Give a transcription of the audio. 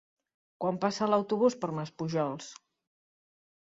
Quan passa l'autobús per Maspujols?